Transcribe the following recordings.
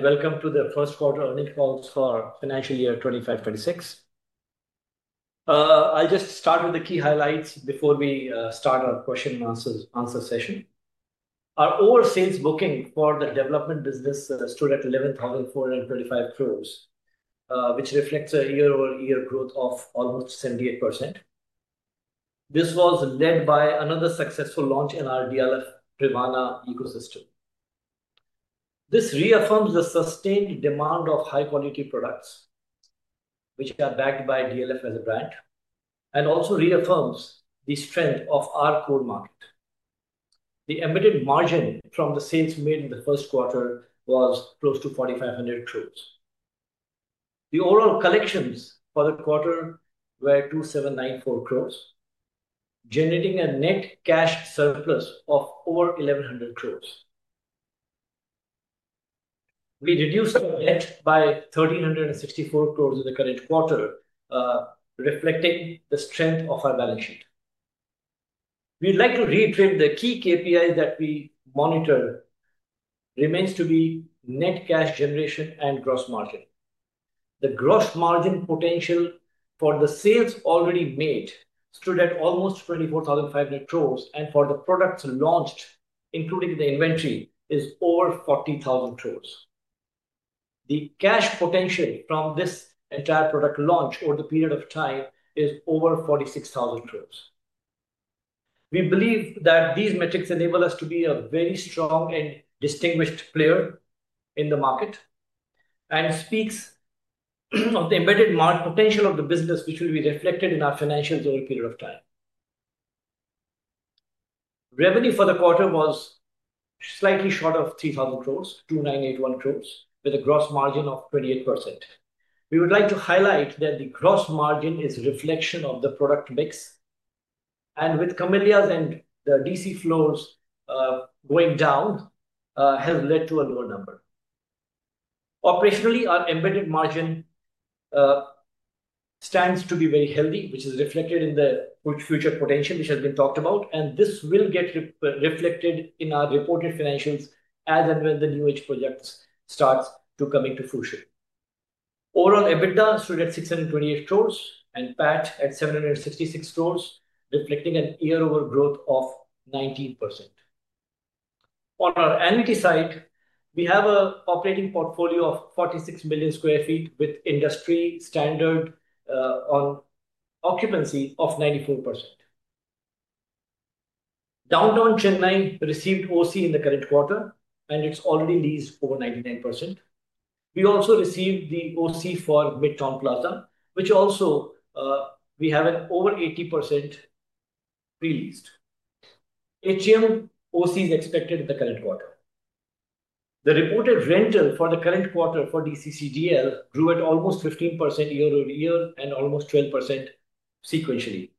Welcome to the first quarter earning calls for financial year 2025-2026. I'll just start with the key highlights before we start our question-and-answer session. Our overall sales booking for the development business stood at 11,435 crore, which reflects a year-over-year growth of almost 78%. This was led by another successful launch in our DLF Privana ecosystem. This reaffirms the sustained demand of high-quality products which are backed by DLF as a brand and also reaffirms the strength of our core market. The embedded margin from the sales made in the first quarter was close to 4,500 crore. The overall collections for the quarter were 2,794 crore, generating a net cash surplus of over 1,100 crore. We reduced debt by 1,364 crore in the current quarter, reflecting the strength of our balance sheet. We'd like to reiterate the key KPIs that we monitor remain to be net cash generation and gross margin. The gross margin potential for the sales already made stood at almost 24,500 crore, and for the products launched including the inventory is over 40,000 crore. The cash potential from this entire product launch over the period of time is over 46,000 crore. We believe that these metrics enable us to be a very strong and distinguished player in the market and it speaks of the embedded margin potential of the business which will be reflected in our financials during period of time. Revenue for the quarter was slightly short of 3,000 crore, 2,981 crore, with a gross margin of 28%. We would like to highlight that the gross margin is a reflection of the product mix, and with Camellias and the DLF City floors going down has led to a lower number. Operationally our embedded margin stands to beVery healthy, which is reflected in the future potential which has been talked about, and this will get reflected in our reported financials as and when the new Edge projects start to come into fruition. Overall EBITDA stood at 628 crore and PAT at 766 crore, reflecting a year-over-year growth of 19%. On our annuity side, we have an operating portfolio of 46 million square feet with industry standard occupancy of 94%. Downtown Chennai received the occupancy certificate in the current quarter, and it's already leased over 99%. We also received the occupancy certificate for Midtown Plaza, which also has an over 80% released at the moment. The occupancy certificate is expected in the current quarter. The reported rental for the current quarter for DLF Cyber City Developers Limited grew at almost 15% year-over-year and almost 12% sequentially.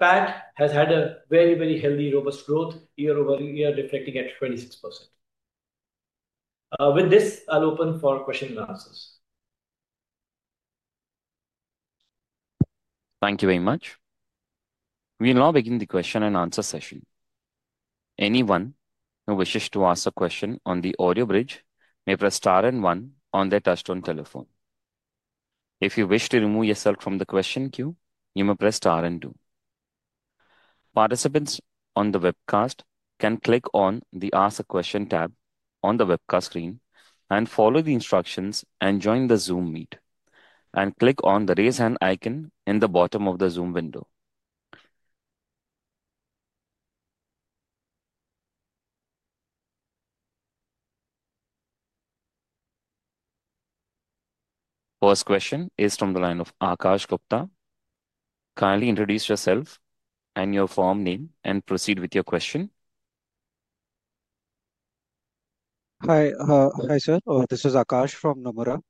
PAT has had a very, very healthy robust growth year-over-year, reflecting at 26%. With this, I'll open for question and answers. Thank you very much. We now begin the question-and-answer session. Anyone who wishes to ask a question on the audio bridge may press Star and one on their touchstone telephone. If you wish to remove yourself from the question queue, you may press star and two. Participants on the webcast can click on the Ask a Question tab on the webcast screen and follow the instructions and join the Zoom meet and click on the raise hand icon in the bottom of the Zoom window. First question is from the line of Akash Gupta. Kindly introduce yourself and your firm name and proceed with your question. Hi sir, this is Akash from Nomura.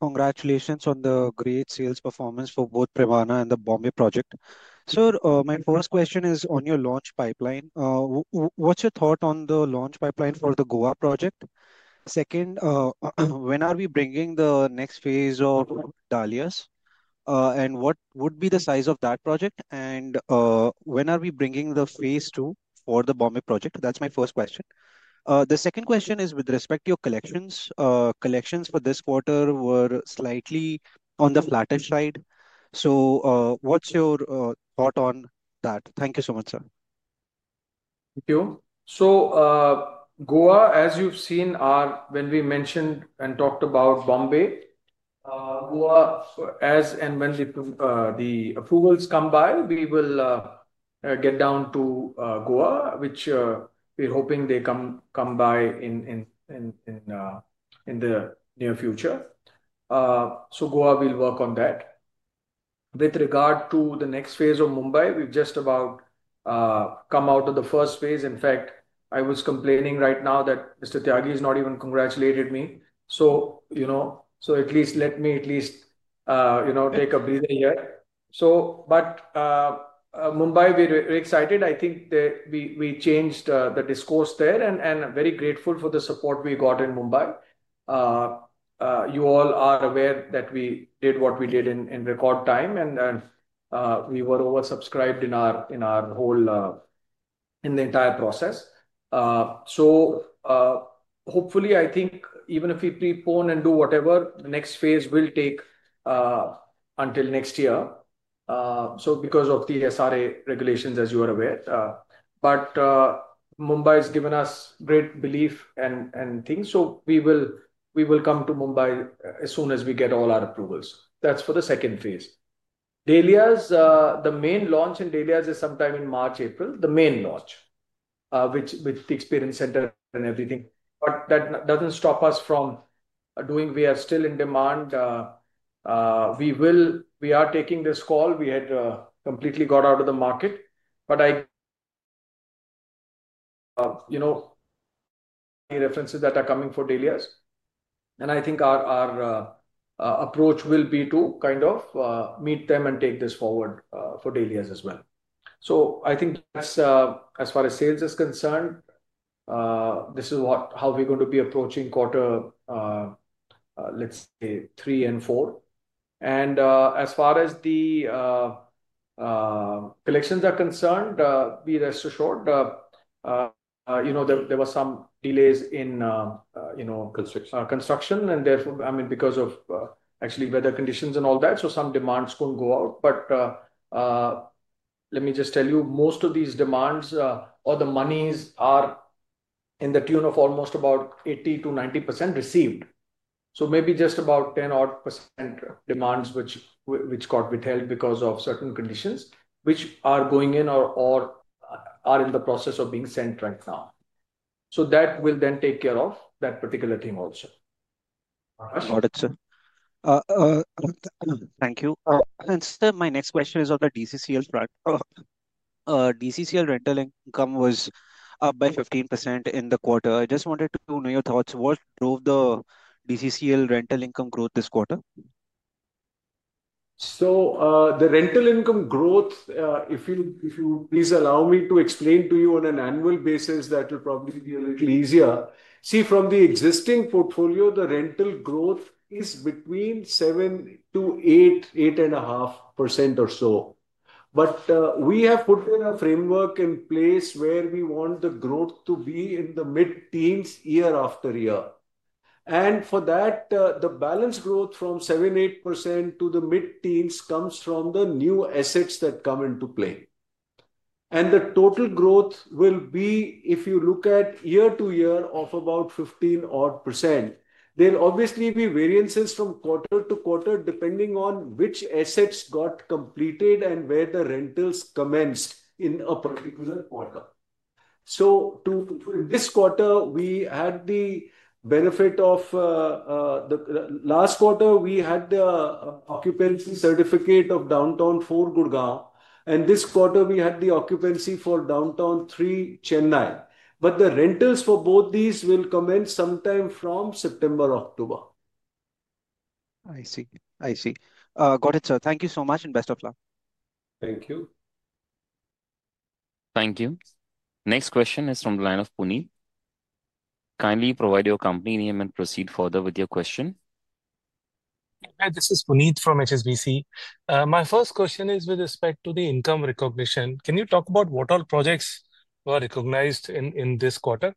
Congratulations on the great sales performance for both Privana and the Bombay project. Sir, my first question is on your launch pipeline. What's your thought on the launch pipeline for the Goa project? Second, when are we bringing the next phase of Dahlias and what would be the size of that project and when are we bringing the phase II for the Bombay project? That's my first question. The second question is with respect to your collections. Collections for this quarter were slightly on the flattish side. What's your thought on that? Thank you so much, sir. Thank you. Goa, as you've seen when we mentioned and talked about Bombay, Goa as, and when the approvals come by, we will get down to Goa, which we're hoping they come by in the near future, Goa will work on that. With regard to the next phase of Mumbai, we've just about come out of the first phase. In fact, I was complaining right now that Mr. Tyagi has not even congratulated me. You know, at least let me take a breather here. Mumbai, we're excited. I think that we changed the discourse there and are very grateful for the support we got in Mumbai. You all are aware that we did what we did in record time, and we were oversubscribed in our whole, in the entire process, hopefully, even if we prepone and do whatever, the next phase will take until next year because of the SRA regulations, as you are aware. Mumbai has given us great belief and things, so we will come to Mumbai as soon as we get all our approvals. That's for the second phase. Dahlias, the main launch in Dahlias is sometime in March, April. The main launch with the experience center and everything. That doesn't stop us from doing. We are still in demand. We will, we are taking this call. We had completely got out of the market. I, you know, references that are coming for Dahlias and I think our approach will be to kind of meet them and take this forward for Dahlias as well. I think as far as sales is concerned, this is what, how we're going to be approaching quarter, let's say three and four. As far as the collections are concerned, be rest assured, you know, there was some delays in, you know, construction, construction and therefore, I mean because of actually weather conditions and all that. Some demands couldn't go out. Let me just tell you, most of these demands or the monies are in the tune of almost about 80 to 90% received. Maybe just about 10% demands which, which got withheld because of certain conditions which are going in or are in the process of being sent right now. That will then take care of that particular team also. Got it sir. Thank you. My next question is on the DCCDL. DCCDL rental income was up by 15% in the quarter. I just wanted to know your thoughts. What drove the DCCDL rental income growth this quarter? The rental income growth, if you please allow me to explain to you on an annual basis, that will probably be a little easier. See, from the existing portfolio, the rental growth is between 7%-8%, 8.5% or so. We have put in a framework in place where we want the growth to be in the mid-teens year after year. For that, the balance growth from 7%, 8% to the mid-teens comes from the new assets that come into play. The total growth will be, if you look at year to year, of about 15% or so. There will obviously be variances from quarter to quarter depending on which assets got completed and where the rentals commenced in a particular quarter. This quarter, we had the benefit of the last quarter we had the occupancy certificate of Downtown 4 Gurgaon. This quarter, we had the occupancy for Downtown 3 Chennai. The rentals for both these will commence sometime from September, October. I see. Got it, sir. Thank you so much, and best of luck. Thank you. Thank you. Next question is from the line of Puneet. Kindly provide your company name and proceed further with your question. Hi, this is Puneet from HSBC. My first question is with respect to the income recognition. Can you talk about what all projects were recognized in this quarter?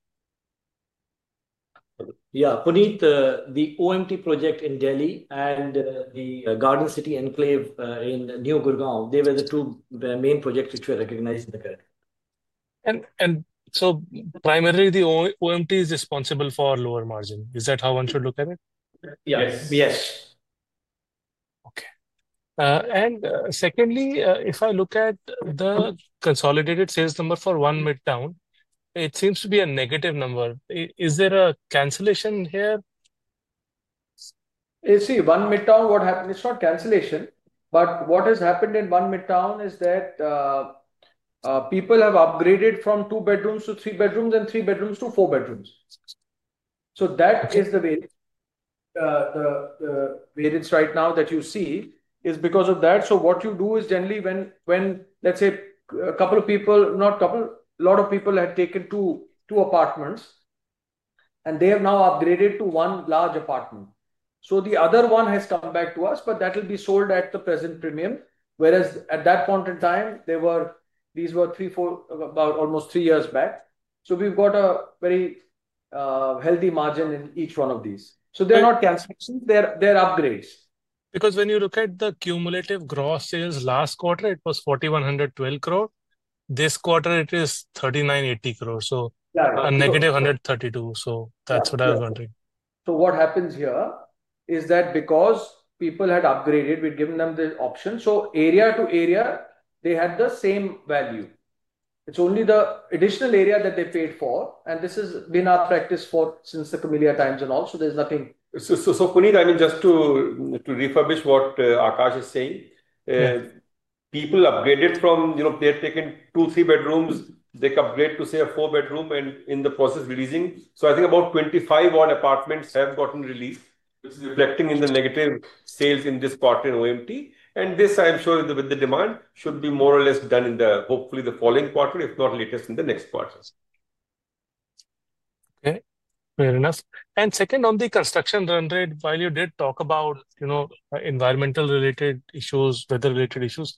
Yeah, Puneet the OMT project in Delhi and the Garden City Enclave in Neo Gurgaon, they were the two main projects which were recognized in the current. Primarily the OMT is responsible for lower margin. Is that how one should look at it? Yeah. Yes. If I look at the consolidated sales number for ONE Midtown, it seems to be a negative number. Is there a cancellation here? You see ONE Midtown. What happened? It's not cancellation, but what has happened in ONE Midtown is that people have upgraded from two bedrooms to three bedrooms and three bedrooms to four bedrooms. The variance right now that you see is because of that. What you do is generally when, let's say, a couple of people, not couple, a lot of people had taken two apartments and they have now upgraded to one large apartment. The other one has come back to us, but that will be sold at the present premium, whereas at that point in time, these were three, four, about almost three years back. We've got a very healthy margin in each one of these. They're not cancellations, they're upgrades. When you look at the cumulative gross sales last quarter, it was 4,112 crore. This quarter it is 3,980 crore, so a -132 crore. That's what I was wondering. What happens here is that because people had upgraded, we'd given them the option. Area to area, they had the same value. It's only the additional area that they paid for. This has been our practice since the Camellias times and all. There's nothing. Puneet, just to refurbish what Aakash is saying, people upgraded from, you know, they've taken two, three bedrooms, they upgrade to say a four bedroom and in the process releasing. I think about 25 odd apartments have gotten released, reflecting in the negative sales in this partner OMT. This I'm sure with the demand should be more or less done in the, hopefully the following quarter, if not latest in the next quarter. Okay, fair enough. Second, on the construction run rate, while you did talk about environmental related issues, weather related issues,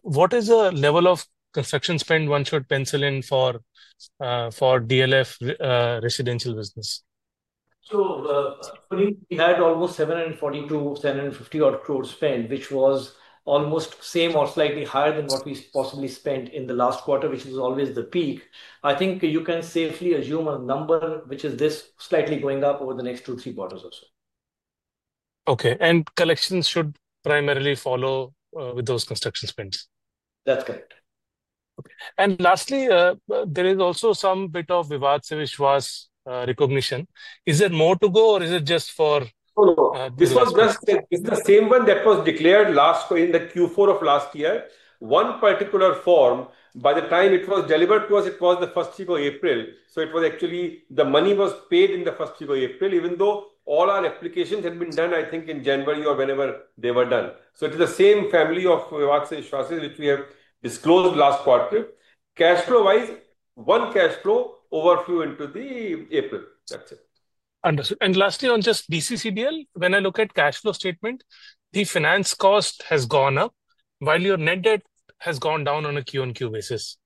what is the level of construction spend one should pencil in for DLF residential business? So Puneet, we had almost 742 crore, INR 750 crore odd spend, which was almost the same or slightly higher than what we possibly spent in the last quarter, which is always the peak. I think you can safely assume the number is slightly going up over the next two, three quarters or so. Okay, collections should primarily follow with those construction spends. That's correct. Lastly, there is also some bit of Vivad Se Vishwas recognition. Is there more to go or is it just for? This was the same one that was declared last in the Q4 of last year. One particular form, by the time it was delivered to us. It was the first week of April. It was actually the money was paid in the first week of April even though all our applications had been done I think in January or whenever they were done. It is the same family of Vivad Se Vishwas which we have disclosed last quarter. Cash flow wise, one cash flow overflow into April. That's it. Lastly, on just DCCDL, when I look at the cash flow statement, the finance cost has gone up while your net debt has gone down on a Q-on-Q basis.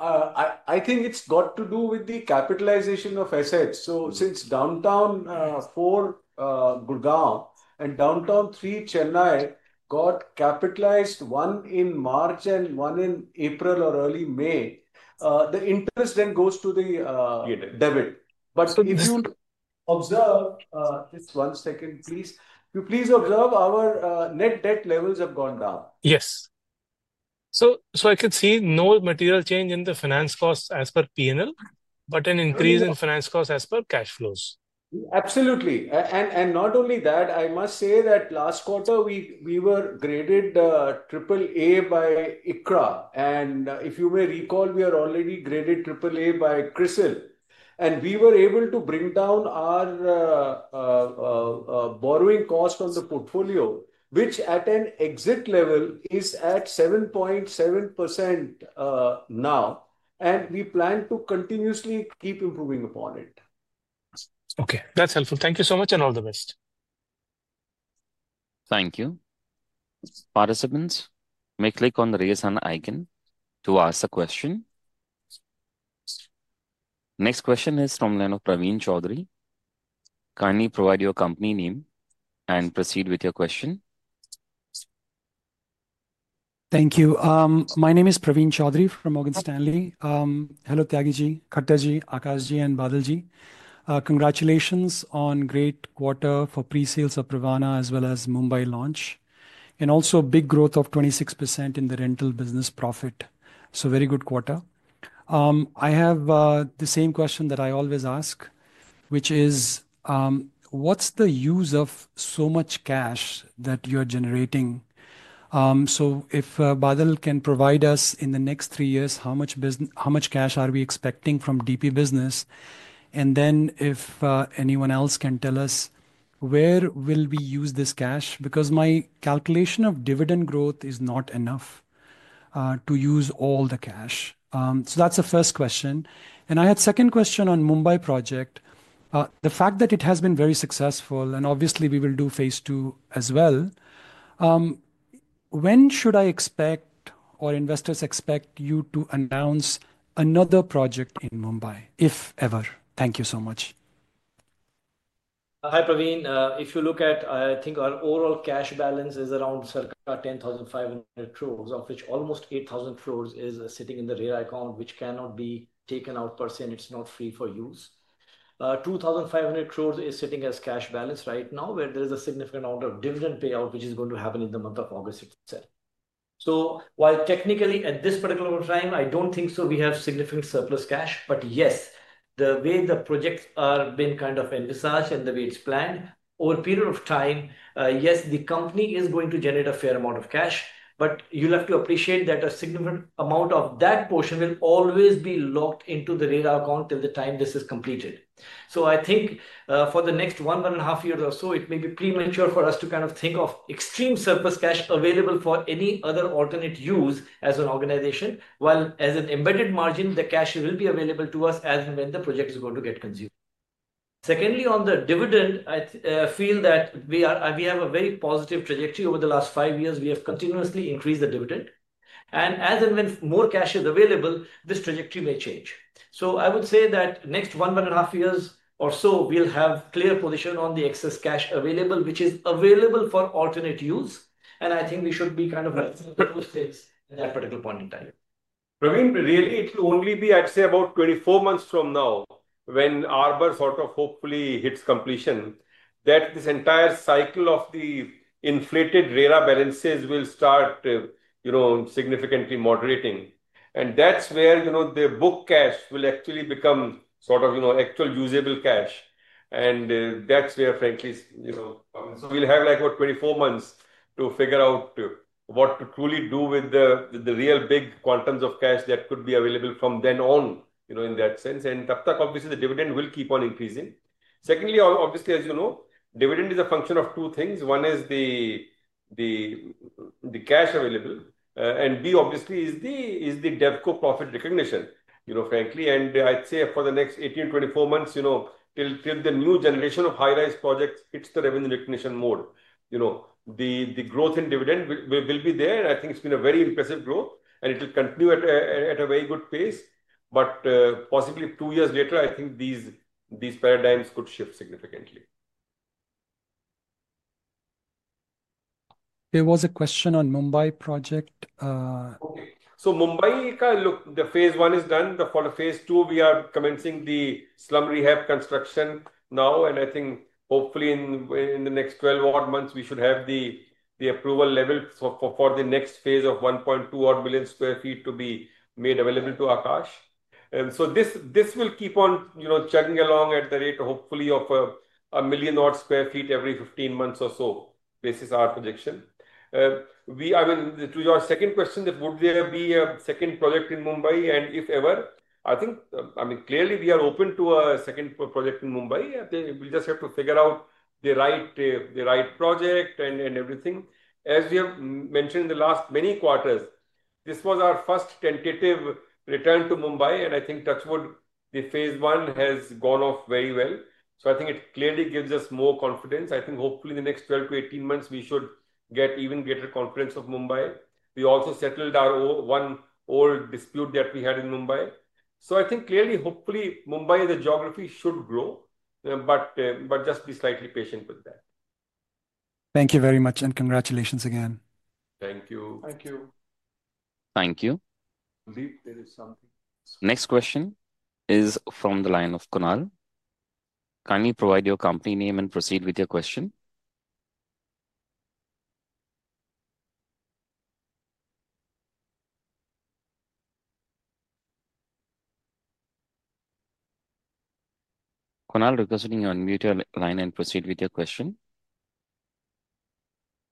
I think it's got to do with the capitalization of assets. Since Downtown 4 Gurgaon and Downtown 3 Chennai got capitalized, one in March and one in April or early May, the interest then goes to the debit. If you observe, please observe, our net debt levels have gone down. Yes. I can see no material change in the finance costs as per P&L, but an increase in finance costs as per cash flows. Absolutely. I must say that last quarter we were graded AAA by ICRA, and if you may recall, we are already graded AAA by CRISIL. We were able to bring down our borrowing cost on the portfolio, which at an exit level is at 7.7% now, and we plan to continuously keep improving upon it. Okay, that's helpful. Thank you so much and all the best. Thank you. Participants may click on the raise hand icon to ask a question. Next question is from line of Praveen Chaudhary. Kindly provide your company name and proceed with your question. Thank you. My name is Praveen Chaudhary from Morgan Stanley. Hello Kumar Tyagi, Aakash ji and Badal ji, congratulations on a great quarter for pre-sales of Privana as well as the Mumbai launch and also big growth of 26% in the rental business profit. Very good quarter. I have the same question that I always ask, which is what's the use of so much cash that you're generating? If Badal can provide us in the next three years, how much cash are we expecting from DP business? If anyone else can tell where will we use this cash? Because my calculation of dividend growth is not enough to use all the cash. That's the first question and I. second question on Mumbai project. The fact that it has been very successful and obviously we will do phase II as well. When should I expect or investors expect you to announce another project in Mumbai, if ever? Thank you so much. Hi Praveen. If you look at it, I think our overall cash balance is around 10,500 crore, of which almost 8,000 crore is sitting in the RERA account, which cannot be taken out per se and it's not free for use. 2,500 crore is sitting as cash balance right now, where there is a significant amount of dividend payout which is going to happen in the month of August itself. While technically at this particular time, I don't think we have significant surplus cash. Yes, the way the projects are being kind of envisaged and the way it's planned over a period of time, the company is going to generate a fair amount of cash. You'll have to appreciate that a significant amount of that portion will always be locked into the RERA account till the time this is completed. I think for the next 1-1.5 years or so, it may be premature for us to think of extreme surplus cash available for any other alternate use as an organization. While as an embedded margin, the cash will be available to us as and when the project is going to get consumed. Secondly, on the dividend, I feel that we have a very positive trajectory. Over the last five years, we have continuously increased the dividend, and as and when more cash is available, this trajectory may change. I would say that next 1-1.5 years or so, we'll have clear position on the excess cash available which is available for alternate use. I think we should be at that particular point in time. Praveen, really it will only be, I'd say about 24 months from now when Arbour sort of hopefully hits completion that this entire cycle of the inflated RERA balances will start significantly moderating. That's where the book cash will actually become actual usable cash. That's where, frankly, we'll have like what, 24 months to figure out what to truly do with the real big quantums of cash that could be available from then on in that sense, and Taptak obviously the dividend will keep on increasing. Secondly, as you know, dividend is a function of two things. One is the cash available and B obviously is the DevCo profit recognition. Frankly, I'd say for the next 18-24 months, till the new generation of high rise projects hits the revenue recognition mode, the growth in dividend will be there and I think it's been a very impressive growth and it will continue at a very good pace. Possibly two years later, I think these paradigms could shift significantly. There was a question on Mumbai project. Mumbai, look, the phase I is done. The follow phase II, we are commencing the slum rehab construction now, and I think hopefully in the next 12 odd months we should have the approval level for the next phase of 1.2 odd million sq f to be made available to Aakash. This will keep on chugging along at the rate hopefully of a million odd square feet every 15 months or so. This is our projection. To your second question, would there be a second project in Mumbai? If ever, I think, I mean clearly we are open to a second project in Mumbai. We'll just have to figure out the right project and everything. As you have mentioned in the last many quarters, this was our first tentative return to Mumbai, and I think touchwood, the phase I has gone off very well. I think it clearly gives us more confidence. Hopefully in the next 12-18 months we should get even greater confidence of Mumbai. We also settled our one old dispute that we had in Mumbai. I think clearly, hopefully Mumbai the geography should grow, but just be slightly patient with that. Thank you very much, and congratulations again. Thank you. Thank you. Thank you. Next question is from the line of Kunal. Kindly provide your company name and proceed with your question. Kunal, unmute your line and proceed with your question.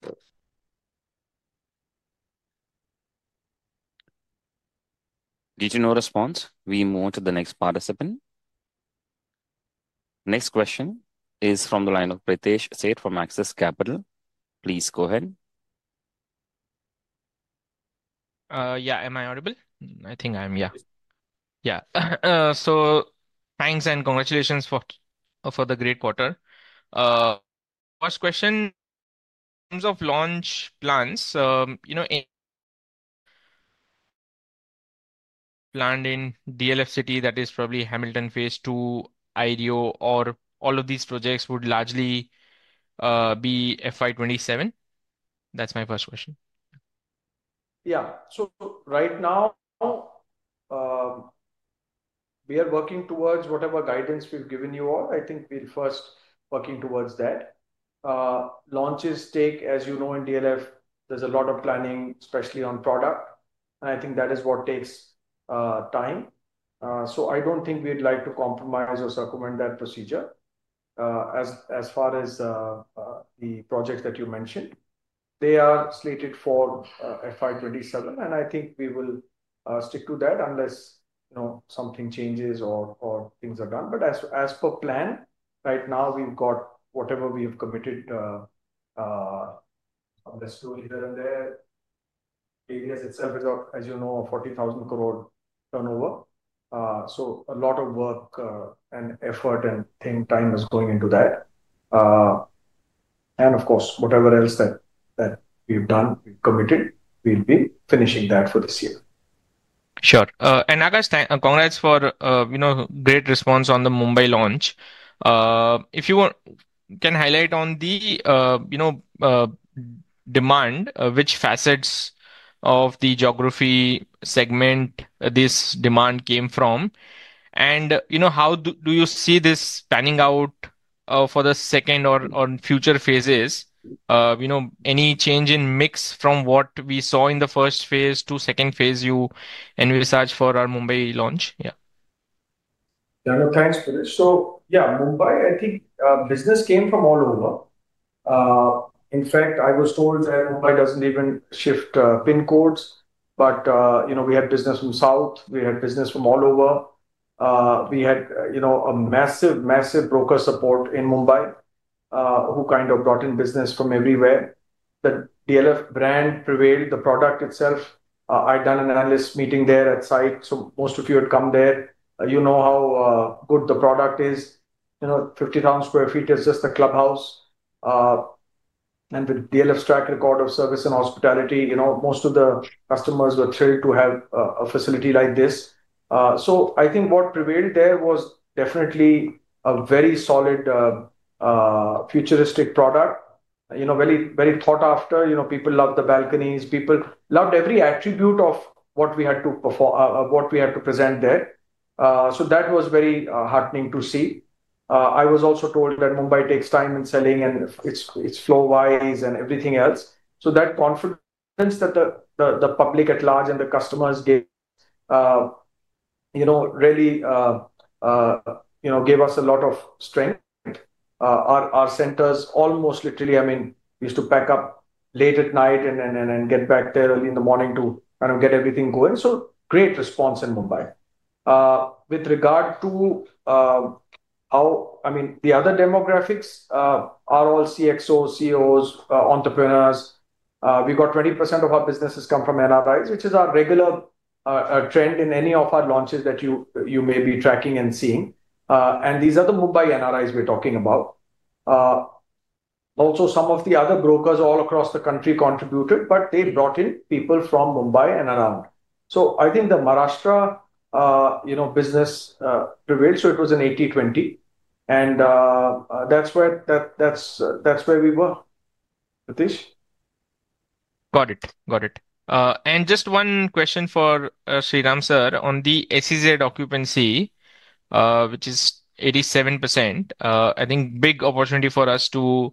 If there is no response, we move to the next participant. Next question is from the line of Pritesh Sheth from Axis Capital. Please go ahead. Yeah, am I audible? I think I am. Yeah. Thanks and congratulations for the great quarter. First question, in terms of launch plans, you know, planned in DLF City, that is probably Hamilton Phase II, IREO, or all of these projects would largely be FY 2027. That's my first question. Yeah. Right now we are working towards whatever guidance we've given you all. I think we're first working towards that launches take. As you know, in DLF there's a lot of planning, especially on product, and I think that is what takes time. I don't think we'd like to compromise or circumvent that procedure. As far as the projects that you mentioned, they are slated for FY 2027. I think we will stick to that unless something changes or things are done. As per plan, right now we've got whatever we have committed. Itself is, as you know, a 40,000 crore turnover. A lot of work and effort and think time is going into that. Of course, whatever else that we've done, committed, we'll be finishing that for this year. Sure. I guess congrats for, you know, great response on the Mumbai launch. If you can highlight on the demand which facets of the geography segment this demand came from and how do you see this panning out for the second or future phases? Any change in mix from what we saw in the first phase to second phase and we research for our Mumbai launch? Thanks Pritesh. Yeah, Mumbai, I think business came from all over. In fact, I was told that Mumbai doesn't even shift pin codes. We had business from south, we had business from all over. We had a massive, massive broker support in Mumbai who kind of brought in business from everywhere. The DLF brand prevailed. The product itself. I'd done an analyst meeting there at site. Most of you had come there. You know how good the product is. 50,000 sq ft is just the clubhouse. With DLF's track record of service and hospitality, most of the customers were thrilled to have a facility like this. I think what prevailed there was definitely a very solid futuristic product, very, very thought after. People love the balconies, people loved every attribute of what we had to perform, what we had to present there. That was very heartening to see. I was also told that Mumbai takes time in selling and it's flow wise and everything else. That confidence that the public at large and the customers gave really gave us a lot of strength. Our centers almost literally used to pack up late at night and get back there early in the morning to kind of get everything going. Great response in Mumbai with regard to, I mean the other demographics are all CXOs, CEOs, entrepreneurs. We got 20% of our business come from INR which is our regular trend in any of our launches that you may be tracking and seeing. These are the Mumbai NRIs we're talking about. Also, some of the other brokers all across the country contributed but they brought in people from Mumbai and around. I think the Maharashtra business prevailed. It was in 80:20 and that's where we were, Pritesh. Got it. Just one question for Sriram sir on the SEZ occupancy, which is 87%. I think big opportunity for us to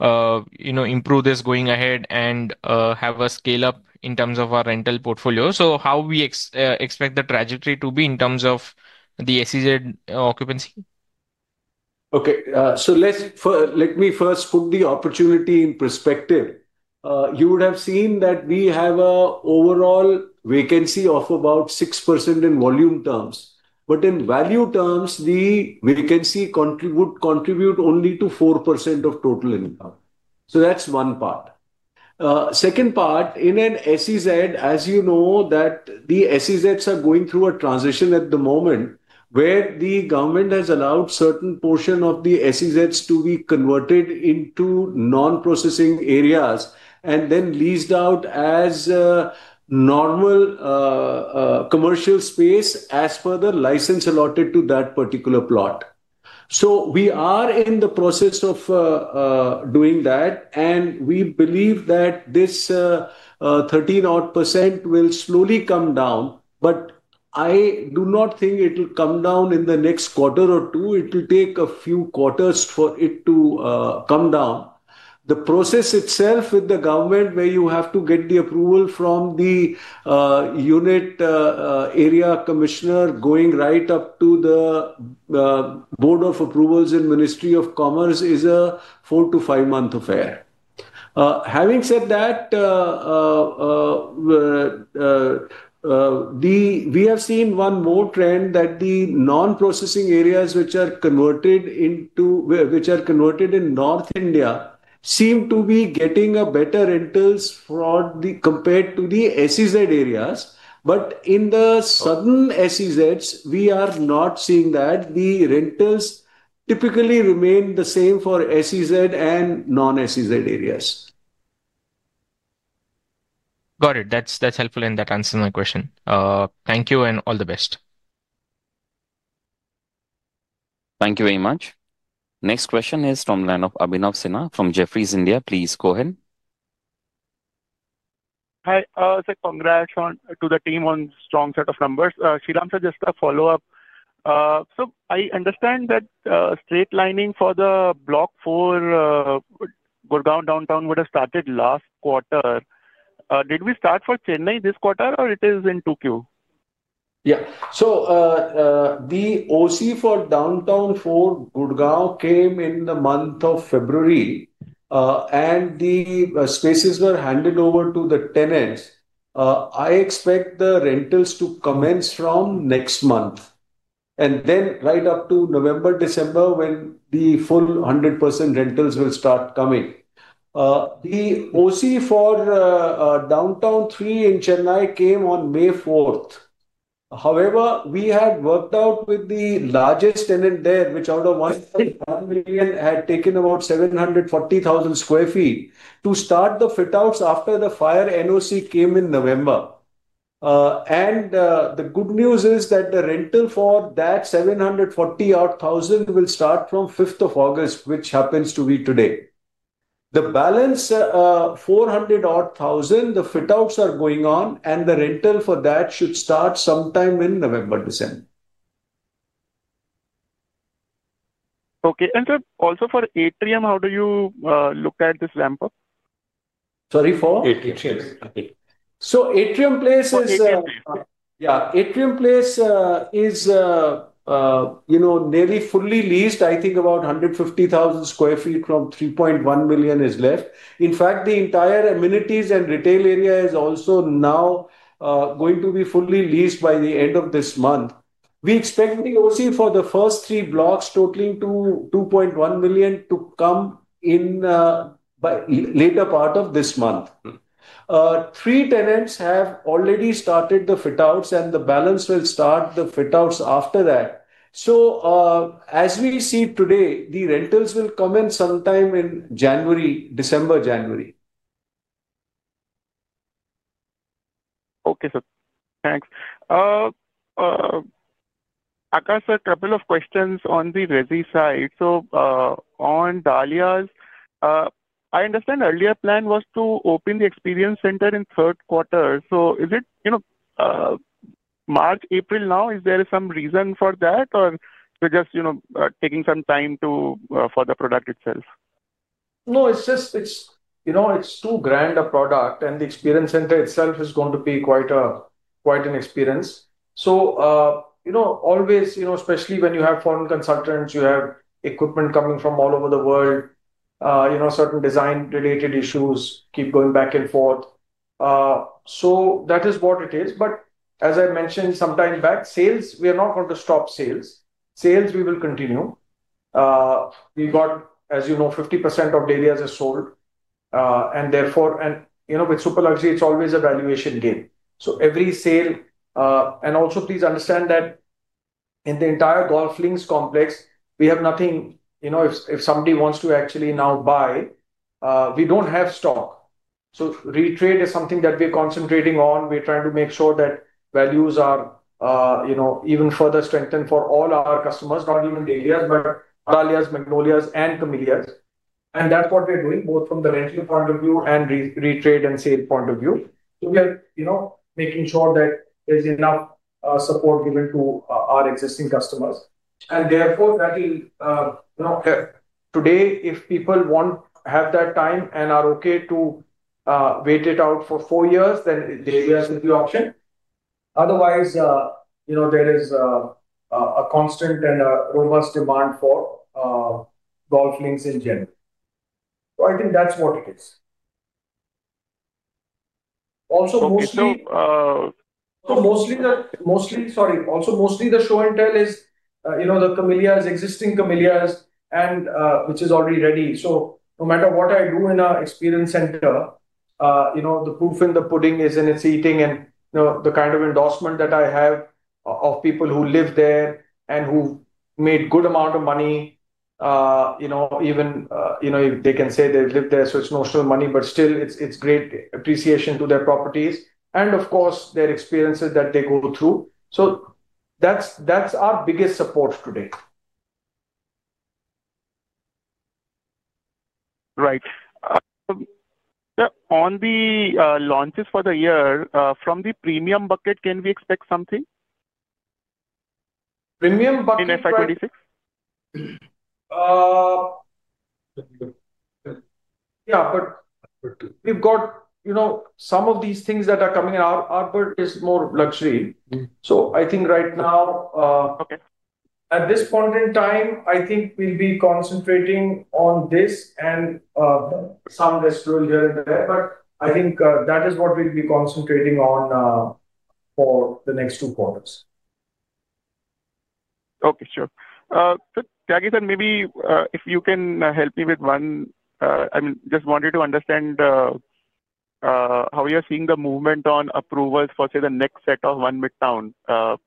improve this going ahead and have a scale up in terms of our rental portfolio. How we expect the trajectory to be in terms of the SEZ occupancy? Okay, so let me first put the opportunity in perspective. You would have seen that we have an overall vacancy of about 6% in volume terms. In value terms, the vacancy would contribute only to 4% of total income. That's one part. The second part is in an SEZ. As you know, the SEZs are going through a transition at the moment where the government has allowed a certain portion of the SEZs to be converted into non-processing areas and then leased out as normal commercial space as per the license allotted to that particular plot. We are in the process of doing that and we believe that this 13% will slowly come down. I do not think it will come down in the next quarter or two. It will take a few quarters for it to come down. The process itself with the government, where you have to get the approval from the Unit Area Commissioner going right up to the Board of Approvals in the Ministry of Commerce, is a four to five month affair. Having said that, we have seen one more trend that the non-processing areas which are converted in North India seem to be getting better rentals compared to the SEZ areas. In the southern SEZs, we are not seeing that; the rentals typically remain the same for SEZ and non-SEZ areas. That's helpful and that answers my question. Thank you and all the best. Thank you very much. Next question is from Abhinav Sinha from Jefferies India. Please go ahead. Hi, congrats to the team on a strong set of numbers. Sriram sir, just a follow-up. I understand that straight lining for the Block 4 Gurgaon Downtown would have started last quarter. Did we start for Chennai this quarter or is it in Q2? The OC for Downtown 4 Gurgaon came in the month of February, and the spaces were handed over to the tenants. I expect the rentals to commence from next month and then right up to November, December when the full 100% rentals will start coming. The OC for Downtown 3 in Chennai came on May 4th. However, we have worked out with the largest tenant there, which out of 1 million had taken about 740,000 sq ft to start the fit outs after the fire. NOC came in November, and the good news is that the rental for that 740,000 odd will start from August 5, which happens to be today. The balance 400,000 odd, the fit outs are going on, and the rental for that should start sometime in November, December. Okay. Also, for Atrium, how do you look at this ramp up? Sorry. Atrium Place is. Yeah, Atrium Place is, you know, nearly fully leased. I think about 150,000 sq fet from 3.1 million is left. In fact, the entire amenities and retail area is also now going to be fully leased by the end of this month. We expect the OC for the first three blocks totaling to 2.1 million to come in by later part of this month. Three tenants have already started the fit outs and the balance will start the fit outs after that. As we see today, the rentals will come in sometime in January, December, January. Okay sir. Thanks. Aakash. A couple of questions on the resi side. On Dahlias, I understand earlier plan was to open the Experience Center in third quarter. Is it March, April now? Is there some reason for that or just taking some time for the product itself? No, it's just, you know, it's too grand a product and the experience center itself is going to be quite an experience. You know, especially when you have foreign consultants, you have equipment coming from all over the world, certain design related issues keep going back and forth. That is what it is. As I mentioned sometime back, sales, we are not going to stop sales. Sales we will continue. We got, as you know, 50% of Dahlias is sold and therefore, and you know, with super luxury it's always a valuation game Every sale please understand that in the entire Golf Links complex we have nothing. If somebody wants to actually now buy, we don't have stock. Retrade is something that we're concentrating on. We're trying to make sure that values are even further strengthened for all our customers, not even Dahlias, but Aralias, Magnolias, and Camellias. That's what we're doing both from the rental point of view and retrade and sale point of view. We are making sure that there's enough support given to our existing customers. Therefore, that is today. If people want, have that time, and are okay to wait it out for four years, then it daily has the pre auction. Otherwise, there is a constant and robust demand for Golf Links in general. I think that's what it is, also mostly. Mostly the. Mostly. Also, mostly the show and tell is, you know, the Camellias, existing Camellias, which is already ready. No matter what I do in our experience center, the proof in the pudding is in its eating and the kind of endorsement that I have of people who live there and who made good amount of money. Even, you know, they can say they've lived there. It's not money, but still it's great appreciation to their properties and, of course, their experiences that they go through. That's our biggest support to date. Right. On the launches for the year from the premium bucket, can we expect something? Premium bucket, yeah. We've got some of these things that are coming in. Our Arbor is more luxury. I think right now. At this point in time, I think we'll be concentrating on this and some restoration. I think that is what we'll be concentrating on for the next two quarters. Okay, sure. So Tyagi sir, maybe if you can help me with one. I mean, just wanted to understand how you're seeing the movement on approvals for, say, the next set of One Midtown. Are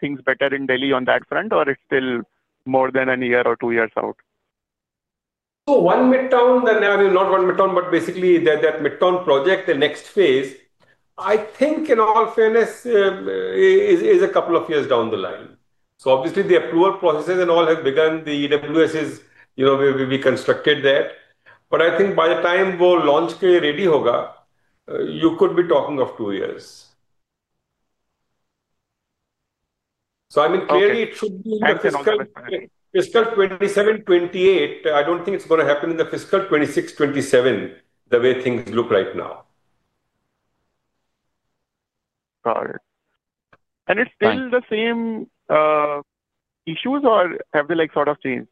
things better in Delhi on that front, or it's still more than a year or two years out? One Midtown then. I mean, not one Midtown, but basically that Midtown project. The next phase, I think in all fairness, is a couple of years down the line. Obviously, the approval processes and all have begun. The EWS is, you know, we constructed that. I think by the time launch ready Hoga, you could be talking of two years. Clearly, it should be fiscal 2027-2028. I don't think it's going to happen in the fiscal 2026-2027, the way things look right now. Is it still the same issues or have they sort of changed?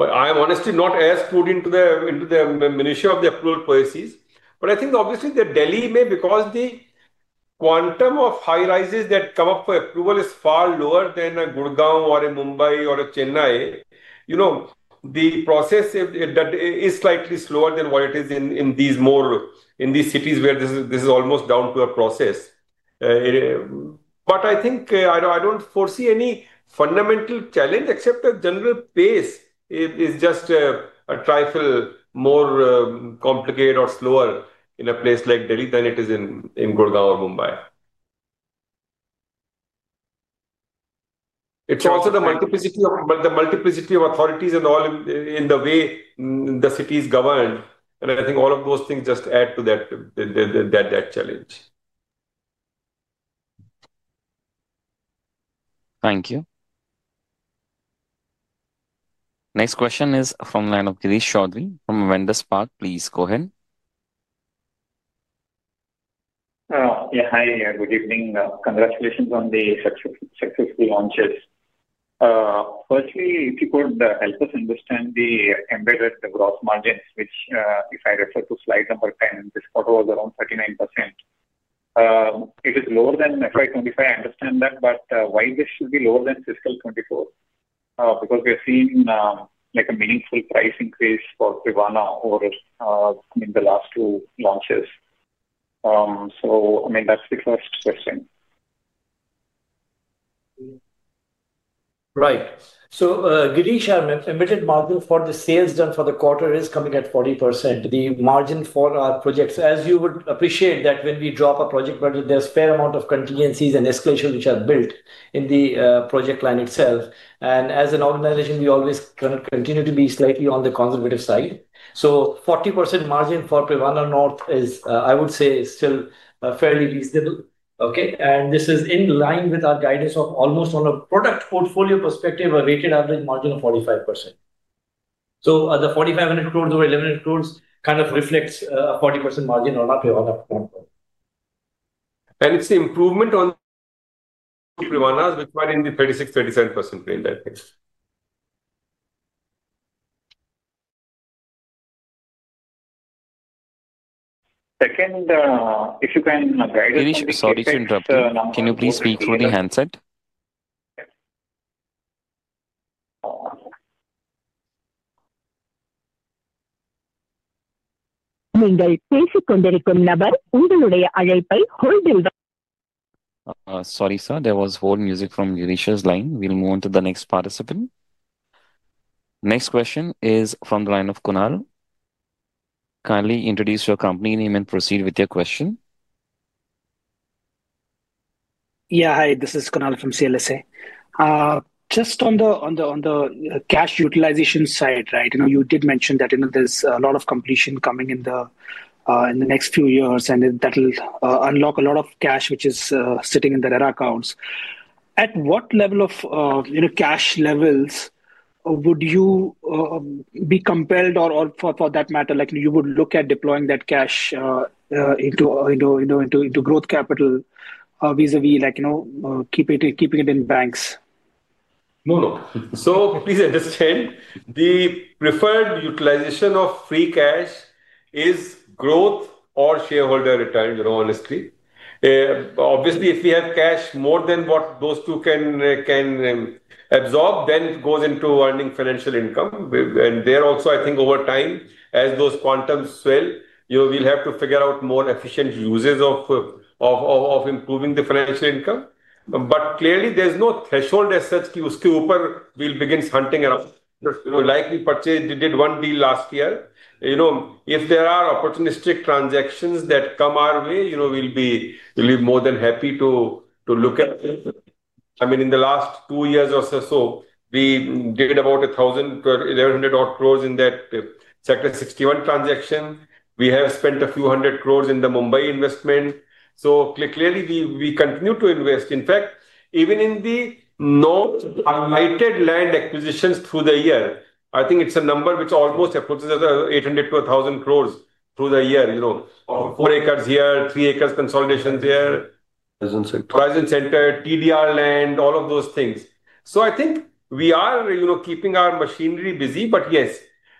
I am honestly not as prudent into the ministry of the approval policies. I think obviously the Delhi may, because the quantum of high rises that come up for approval is far lower than a Gurgaon or a Mumbai or a Chennai. The process is slightly slower than what it is in these cities where this is almost down to a process. I don't foresee any fundamental challenge except the general pace is just a trifle more complicated or slower in a place like Delhi than it is in Gurgaon or Mumbai. It's also the multiplicity of authorities and the way the city is governed. I think all of those things just add to that challenge. Thank you. Next question is from line of Girish Chaudhary from Avendus Spark. Please go ahead. Yeah. Hi. Good evening. Congratulations on the successful launches. Firstly, if you could help us understand the embedded gross margins which, if I refer to slide number 10, this quarter was around 39%. It is lower than FY 2025. I understand that. Why should this be lower than fiscal 2024? We have seen a meaningful price increase for Ivana over the last two launches. That's the first question. Right? Girish, embedded margin for the sales done for the quarter is coming at 40%. The margin for our projects, as you would appreciate, when we drop a project budget, there's a fair amount of contingencies and escalations which are built in the project line itself. As an organization, we always continue to be slightly on the conservative side. 40% margin for P1 or not is, I would say, still fairly reasonable. This is in line with our guidance of almost, on a product portfolio perspective, a weighted average margin of 45%. The 4,500 crores over 1,100 crores kind of reflects 40% margin. It's the improvement on the 36%, 37% in that case. Second, if you can guide us. Girish, sorry to interrupt. Can you please speak through the handset? Sorry sir, there was hold music from Unisha's line. We'll move on to the next participant. Next question is from the line of Kunal. Kindly introduce your company name and proceed with your question. Yeah, hi, this is Kunal from CLSA. Just on the cash utilization side, right? You did mention that there's a lot of completion coming in the next few years, and that will unlock a lot of cash is sitting in the RERA accounts. At what level of cash would you be compelled or for that matter, like you would look at deploying that cash into growth capital vis-à-vis keeping it in banks? Please understand, the preferred utilization of free cash is growth or shareholder return. Honestly, obviously if we have cash more than what those two can absorb, then it goes into earning financial income. There also, I think over time as those quantums swell, you will have to figure out more efficient uses of improving the financial income. Clearly, there's no threshold as such; we'll begin hunting like we purchased, did one deal last year. If there are opportunistic transactions that come our way, we'll be more than happy to look at them. In the last two years or so, we did about 1,100 crore odd in that Sector 61 transactions, we have spent a few hundred crores in the Mumbai investment. Clearly, we continue to invest, in fact even in the lighted land acquisitions through the year. I think it's a number which almost approaches 800 crore-1,000 crore through the year. Four acres here, three acres consolidations there, Horizon Center, TDR land, all of those things. I think we are keeping our machinery busy.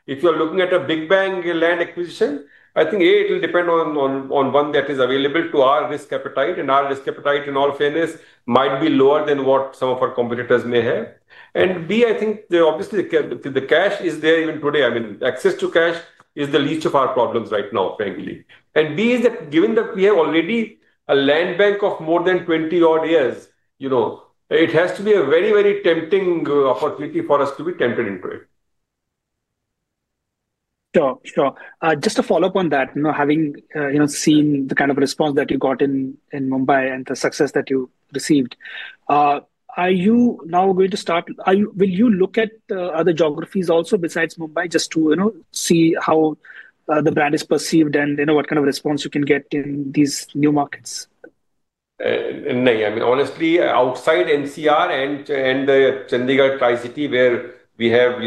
If you're looking at a big bang land acquisition, I think A, it will depend on one that is available to our risk appetite, and our risk appetite in all fairness might be lower than what some of our competitors may have. B, I think obviously the cash is there even today. Access to cash is the least of our problems right now, frankly. B is that given that we have already a land bank of more than 20 odd years, it has to be a very, very tempting opportunity for us to be tempted into it. Sure, sure. Just to follow up on that, having seen the kind of response that you got in, in Mumbai and the success that you received, are you now going to start, will you look at other geographies also besides Mumbai just to, you know, see how the brand is perceived and, you know, what kind of response you can get in these new markets? Honestly, outside NCR and Chandigarh, Tri-City where we have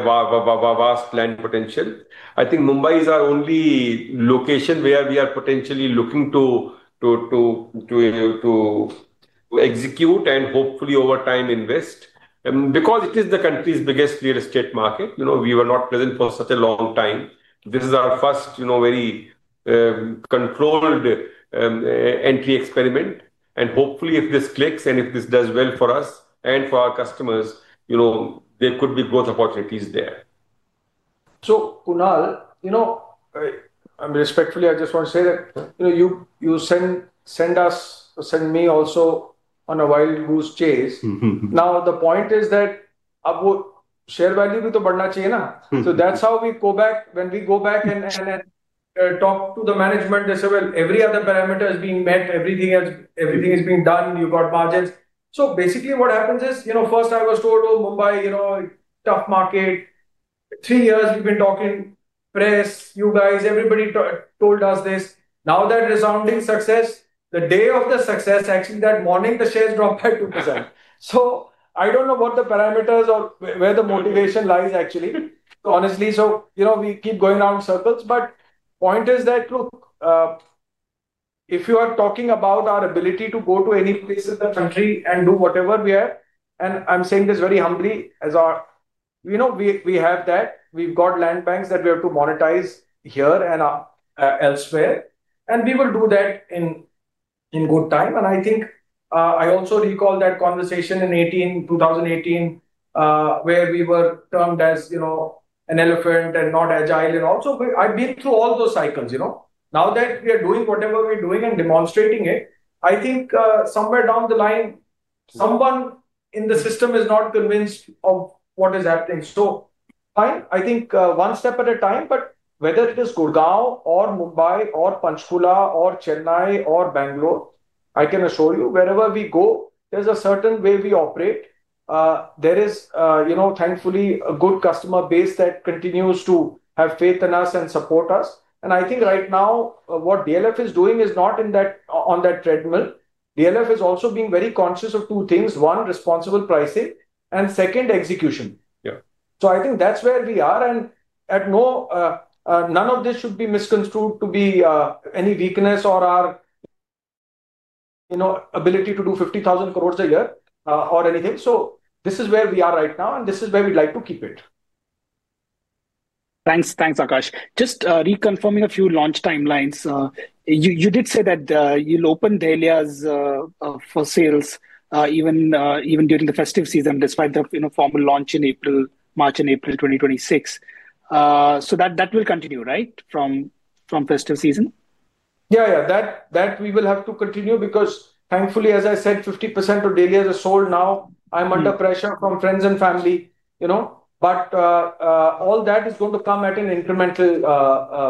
vast land potential, I think Mumbai is our only location where we are potentially looking to execute and hopefully over time invest because it is the country's biggest real estate market. We were not present for such a long time. This is our first very controlled entry experiment and hopefully if this clicks and if this does well for us and for our customers, there could be both opportunities there. Kunal, respectfully, I just want to say that you send me also on a wild goose chase. The point is that share value with the Banachi, so that's how we go back. When we go back and talk to the management, they say every other parameter has been met, everything has been done and you got margins. Basically, what happens is first I was told, oh Mumbai, tough market. Three years we've been talking, press, you guys, everybody told us this. Now that resounding success, the day of the success, actually that morning the shares dropped by 2%. I don't know what the parameters or where the motivation lies, actually. Honestly, we keep going down circles. The point is that if you are talking about our ability to go to any place in the country and do whatever we are, and I'm saying this very humbly as our, you know, we, we have that, we've got land banks that we have to monetize here and elsewhere and we will do that in good time. I also recall that conversation in 2018 where we were termed as, you know, an elephant and not agile. I've been through all those cycles, you know, now that we are doing whatever we're doing and demonstrating it, I think somewhere down the line someone in the system is not convinced of what is happening. Fine, I think one step at a time. Whether it is Gurgaon or Mumbai or Panchkula or Chennai or Bangalore, I can assure you wherever we go, there's a certain way we operate. There is, you know, thankfully a good customer base that continues to have faith in us and support us. I think right now what DLF is doing is not on that treadmill. DLF is also being very conscious of two things: one, responsible pricing and second, execution. I think that's where we are. None of this should be misconstrued to be any weakness or our ability to do 50,000 crore a year or anything. This is where we are right now and this is where we'd like to keep it. Thanks Aakash. Just reconfirming a few launch timelines. You did say that you'll open Dahlias for sales even during the festive season, despite the formal launch in March and April 2026 so that, that will continue right from the festive season? Yeah, that we will have to continue because thankfully, as I said, 50% of Dahlias are sold. Now I'm under pressure from friends and family, you know, but all that is going to come at an incremental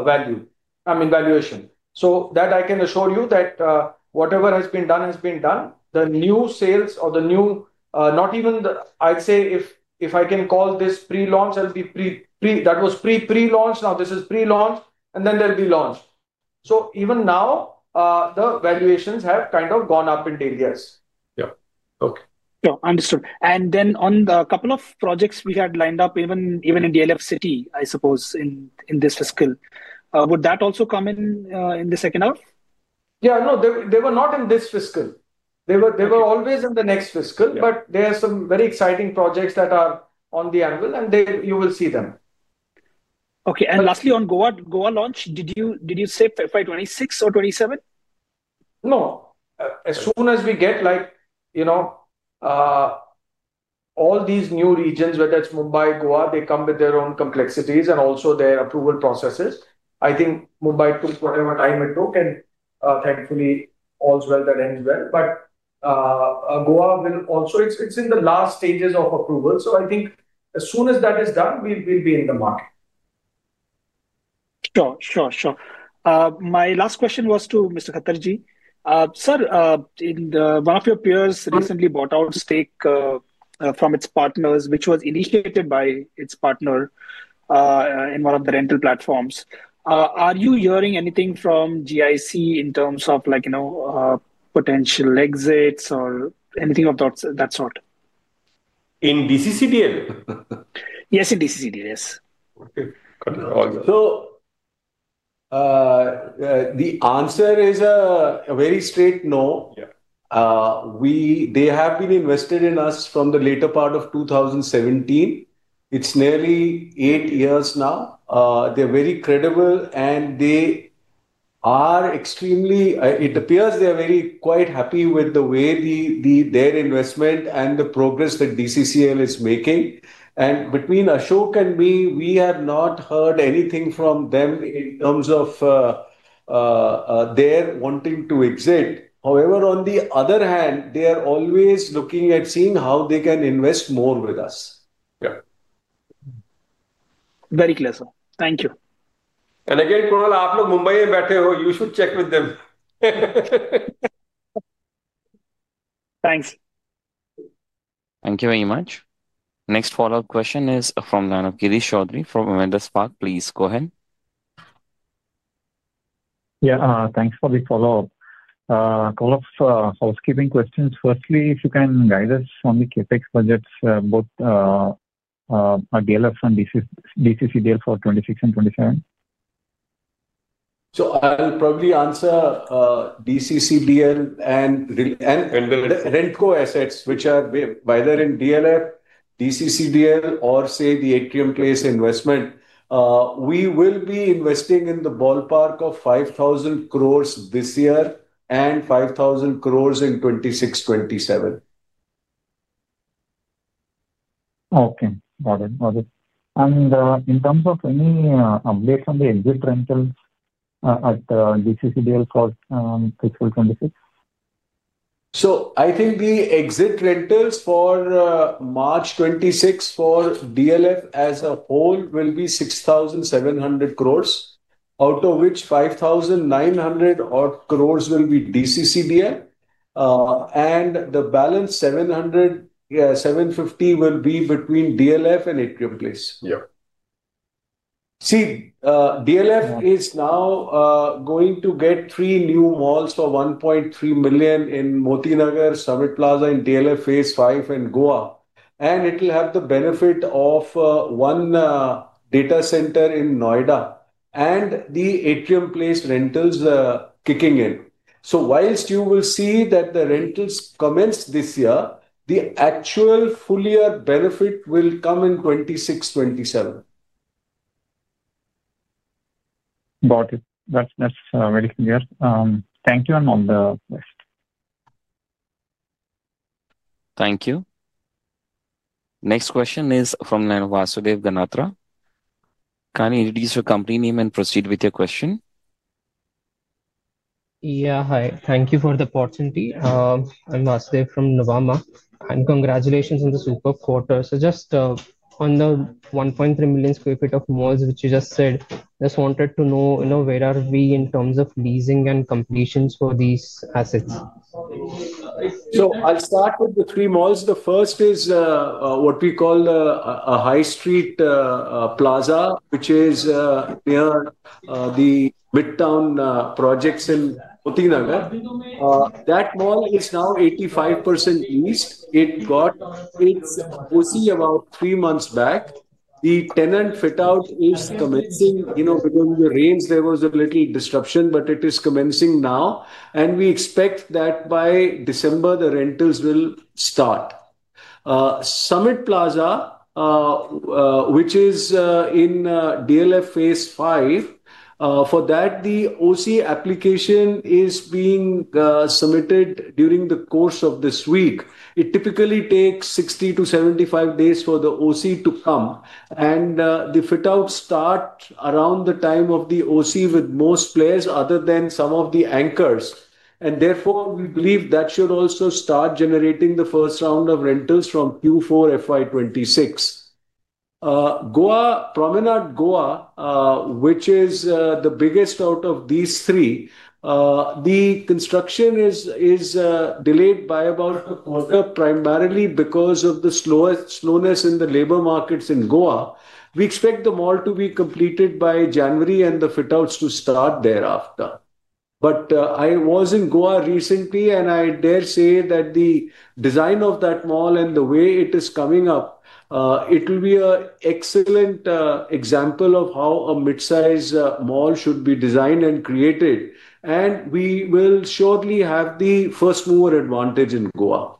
value, I mean valuation. I can assure you that whatever has been done has been done. The new sales or the new, not even, I'd say if I can call this pre-launch, I'll be pre that was pre-launch. Now this is pre-launch and then there'll be launch. Even now the valuations have kind of gone up in D. And then on the couple of projects we had lined up, even in DLF City, I suppose in this fiscal, would that also come in the second half? No, they were not in this fiscal, they were always in the next fiscal. There are some very exciting projects that are on the annual and you will see them. Lastly, on Goa, Goa launch, did you say FY 2026 or FY 2027? No. As soon as we get, like, you know, all these new regions, whether it's Mumbai or Goa, they come with their own complexities and also their approval processes. I think Mumbai took program. Thankfully, all's well that ends well. Goa will also, it's in the last stages of approval. I think as soon as that is done, we will be in the market. Sure. My last question was to Mr. Kakarji sir, one of your peers recently bought our stake from its partners, which was initiated by its partner in one of the rental platforms. Are you hearing anything from GIC in terms of, like, you know, potential exits or anything of that sort? In DCCDL? Yes, in DCCDL? Yes. So the answer is a very straight no. They have been invested in us from the later part of 2017. It's nearly eight years now. They're very credible and it appears they are quite happy with the way their investment and the progress that DCCDL is making. Between Ashok and me, we have not heard anything from them in terms of their wanting to exit. However, on the other hand, they are always looking at seeing how they can invest more with us. Yeah, very clear, sir. Thank you. You should check with them. Thanks. Thank you very much. Next follow-up question is from Girish Chaudhary from Avendus Spark. Please go ahead. Yeah, thanks for the follow-up. Couple of housekeeping questions. Firstly, if you can guide us on the CapEx budgets, both DLF's and DCCDL for FY 2026 and FY 2027. I'll probably answer DCCDL and rent co assets which are either in DLF, DCCDL, or say the Atrium Place investment. We will be investing in the ballpark of 5,000 crore this year and 5,000 crore in 2026, 2027. Okay, got it. In terms of any updates on the exit rental at DCCDL for fiscal 2026. I think the exit rentals for March 2026 for DLF as a whole will be 6,700 crore, out of which 5,900 crore will be DCCDL and the balance 700 crore, 750 crore will be between DLF and Atrium Place. See DLF is now going to get three new malls for $1.3 million in Moti Nagar, Summit Plaza in DLF Phase 5, and Goa. It will have the benefit of one data center in Noida and the Atrium Place rentals kicking in. Whilst you will see that the rentals commence this year, the actual full year benefit will come in FY 2026, FY 2027. Got it. That's very clear. Thank you. Thank you. Next question is from Vasudev Ganatra. Can you introduce your company name and proceed with your question? Yeah. Hi. Thank you for the opportunity. I'm Vasudev from Nuvama and congratulations on the super quarter. Just on the 1.3 million sq ft of malls which you just said. Just wanted to know where are we in terms of leasing and completions for these assets, I'll start with the three malls. The first is what we call a High Street Plaza which is near the Midtown Plaza projects in Moti Nagar. That mall is now 85% leased. It got its occupancy certificate about three months back. The tenant fit out is commencing, you know, because of the rains there was a little disruption, but it is commencing now and we expect that by December the rentals will start. Summit Plaza, which is in DLF Phase 5, for that the OC application is being submitted during the course of this week. It typically takes 60-75 days for the OC to come and the fit out starts around the time of the OC with most players other than some of the anchors. Therefore, we believe that should also start generating the first round of rentals from Q4, FY 2026. Goa Promenade, Goa, which is the biggest out of these three, the construction is delayed by about a quarter primarily because of the slowness in the labor markets in Goa. We expect the mall to be completed by January and the fit outs to start thereafter. I was in Goa recently and I dare say that the design of that mall and the way it is coming up, it will be an excellent example of how a mid-size mall should be designed and created. We will surely have the first mover advantage in Goa.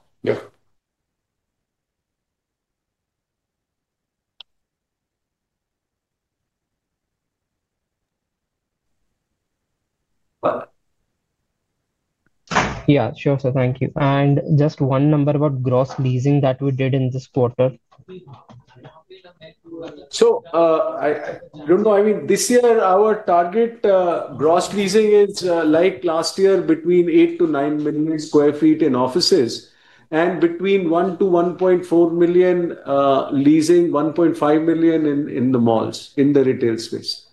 Yeah, sure, sir. Thank you. Just one number about gross leasing that we did in this quarter. This year our target gross leasing is like last year, between 8 million sq ft-9 million sq ft in offices and between 1 million sq ft-1.4 million sq ft, leasing 1.5 million sq ft in the malls in the retail space.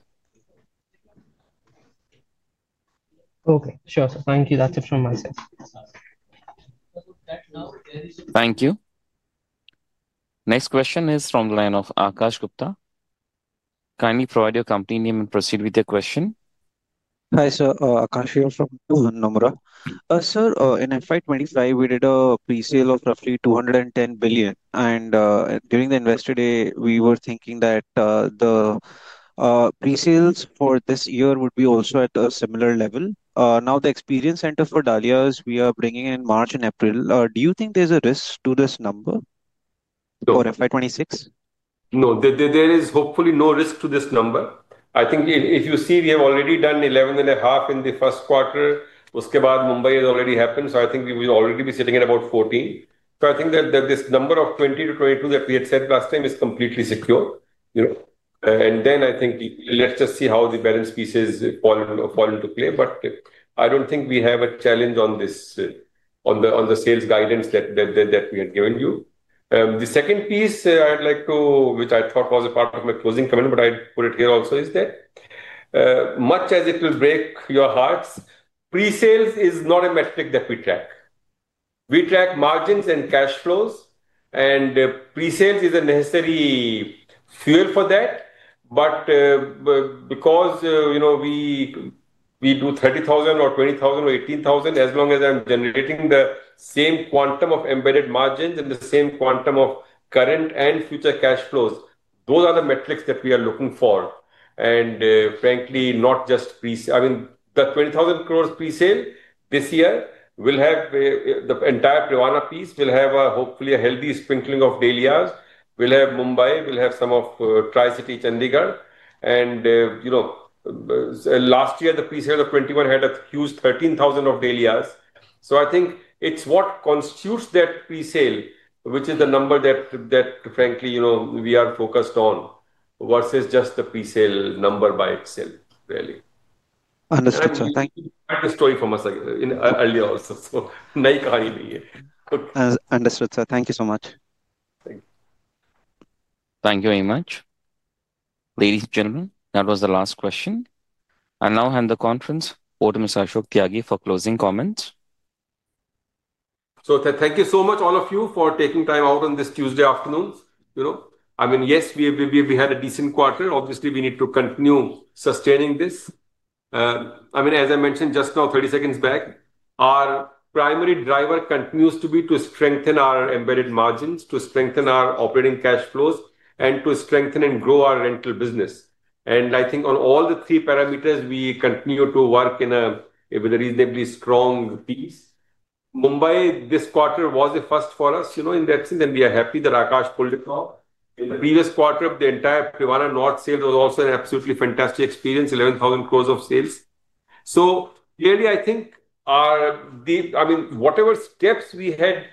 Okay, sure. Thank you. That's it from my side. Thank you. Next question is from the line of Akash Gupta. Kindly provide your company name and proceed with your question. Hi Sir Aakash, sir, in FY 2025 we did a pre-sale of roughly 210 billion crore. During the Investor day we were thinking that the pre-sales for this year would be also at a similar level. Now the experience center for Dahlias, we are bringing in March and April. Do you think there's a risk to this number or FY 2026? No, there is hopefully no risk to this number. I think if you see we have already done 11.5 billion crore in the first quarter. Uske baad Mumbai has already happened. I think we will already be sitting at about 14 billion crore. I think that this number of 20 billion crore-22 billion crore that we had said last time is completely secure, you know. I think let's just see how the balance pieces fall into play. I don't think we have a challenge on this, on the sales guidance that we had given you. The second piece I'd like to, which I thought was a part of my closing comment, but I put it here also, is that much as it will break your hearts, pre-sales is not a metric that we track. We track margins and cash flows, and pre-sales is a necessary fuel for that. Because, you know, we do 30,000 crore or 20,000 crore or 18,000 crore. As long as I'm generating the same quantum of embedded margins and the same quantum of current and future cash flows, those are the metrics that we are looking for. Frankly, not just pre-sale. I mean, the 20,000 crore pre-sale this year will have the entire Privana piece. We'll have hopefully a healthy sprinkling of Dahlias. We'll have Mumbai, we'll have some of Tri-City, Chandigarh. Last year the pre-sale of 21,000 crore had a huge 13,000 crore of Dahlias. I think it's what constitutes that pre-sale, which is the number that, frankly, you know, we are focused on versus just the pre-sale number by Excel, really. Also. Understood, sir. Thank you so much. Thank you very much, ladies and gentlemen. That was the last question. I now hand the conference over to Mr. Ashok Kumar Tyagi for closing comments. Thank you so much, all of you, for taking time out on this Tuesday afternoon. Yes, we had a decent quarter. Obviously, we need to continue sustaining this. As I mentioned just now, our primary driver continues to be to strengthen our embedded margins, to strengthen our operating cash flows, and to strengthen and grow our rental business. I think on all the three parameters, we continue to work in a reasonably strong pace. Mumbai this quarter was a first for us in that sense, and we are happy that Aakash pulled it off. Previous quarter, the entire Privana North sales was also an absolutely fantastic experience. 11,000 crore of sales. I think whatever steps we had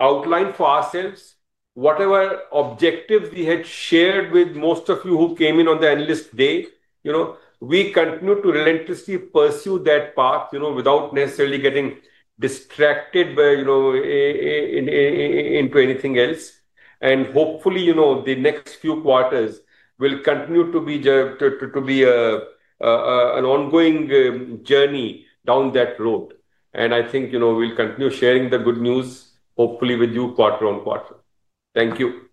outlined for ourselves, whatever objectives we had shared with most of you who came in on the analyst day, we continue to relentlessly pursue that path without necessarily getting distracted into anything else. Hopefully, the next few quarters will continue to be an ongoing journey down that road. I think we'll continue sharing the good news, hopefully with you, quarter on quarter. Thank you.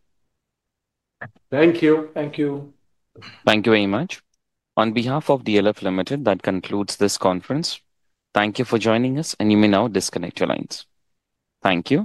Thank you. Thank you very much on behalf of DLF Limited. That concludes this conference. Thank you for joining us. You may now disconnect your lines. Thank you.